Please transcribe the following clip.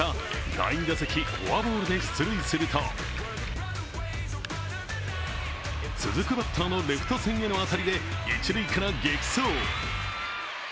第２打席、フォアボールで出塁すると、続くバッターのレフト線への当たりで、一塁から激走。